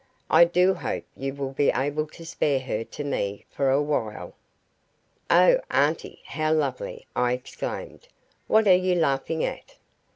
I do hope you will be able to spare her to me for a while." "Oh, auntie, how lovely!" I exclaimed. "What are you laughing at?"